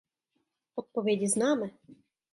Odpovědi známe.